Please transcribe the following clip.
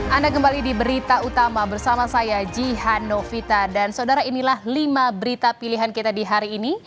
anda kembali di berita utama bersama saya jihan novita dan saudara inilah lima berita pilihan kita di hari ini